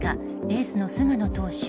エースの菅野投手